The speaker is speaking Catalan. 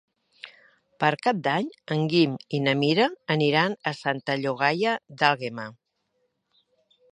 Per Cap d'Any en Guim i na Mira aniran a Santa Llogaia d'Àlguema.